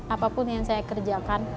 apapun yang saya kerjakan